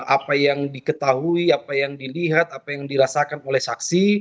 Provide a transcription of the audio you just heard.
apa yang diketahui apa yang dilihat apa yang dirasakan oleh saksi